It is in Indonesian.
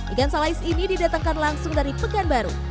ikan salais ini didatangkan langsung dari pekan baru